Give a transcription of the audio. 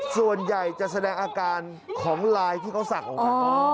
ส่วนใหญ่จะแสดงอาการของไลน์ที่เขาสั่งออกมา